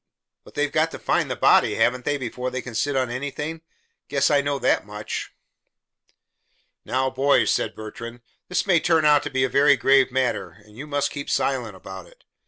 But they've got to find the body, haven't they, before they can sit on anything? Guess I know that much." "Now, boys," said Bertrand, "this may turn out to be a very grave matter, and you must keep silent about it.